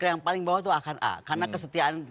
yang paling bawah itu akan a karena kesetiaan